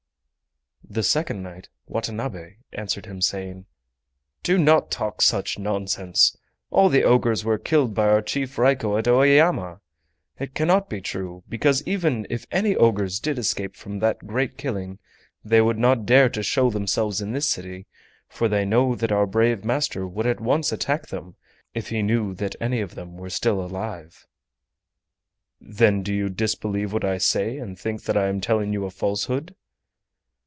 The second knight, Watanabe, answered him, saying: "Do not talk such nonsense! All the ogres were killed by our chief Raiko at Oeyama! It cannot be true, because even if any ogres did escape from that great killing they would not dare to show themselves in this city, for they know that our brave master would at once attack them if he knew that any of them were still alive!" "Then do you disbelieve what I say, and think that I am telling you a falsehood?"